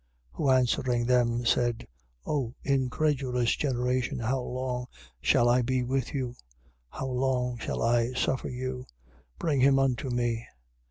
9:18. Who answering them, said: O incredulous generation, how long shall I be with you? How long shall I suffer you? Bring him unto me.